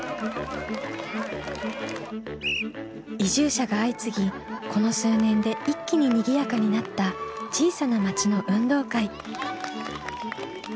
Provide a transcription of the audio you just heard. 移住者が相次ぎこの数年で一気ににぎやかになった小さな町の運動会。